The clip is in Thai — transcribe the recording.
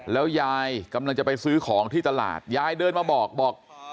แล้วยายกำลังจะไปซื้อของที่ตลาดยายเดินมาบอกบอก